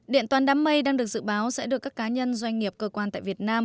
điện toán đám mây đang được dự báo sẽ được các cá nhân doanh nghiệp cơ quan tại việt nam